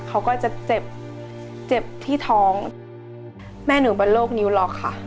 เขาก็จะเจ็บเจ็บที่ท้องแม่หนูเป็นโรคนิ้วล็อกค่ะ